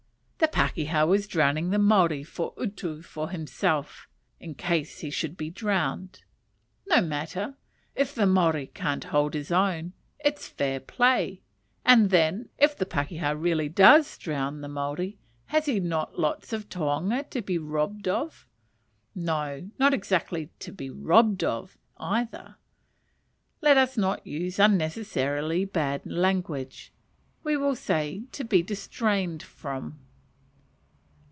The pakeha was drowning the Maori for utu for himself, in case he should be drowned. No matter: if the Maori can't hold his own, it's fair play; and then, if the pakeha really does drown the Maori, has he not lots of taonga to be robbed of? No, not exactly to be robbed of, either; let us not use unnecessarily bad language we will say to be distrained upon.